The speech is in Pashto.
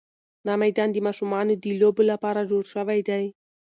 دا میدان د ماشومانو د لوبو لپاره جوړ شوی دی.